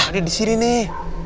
ah ada disini nih